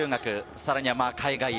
さらには海外へ。